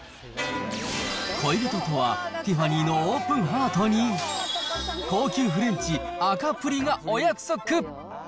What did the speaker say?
恋人とはティファニーのオープンハートに、高級フレンチ、赤プリがお約束。